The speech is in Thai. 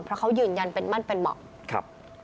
เพราะเขายืนยันเป็นมั่นเป็นเหมาะครับ